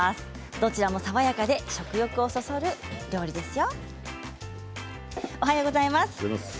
どちらも爽やかで食欲をそそる料理ですよ。